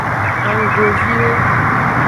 Anggoviwo.